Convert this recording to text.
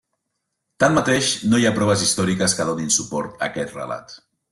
Tanmateix, no hi ha proves històriques que donin suport a aquest relat.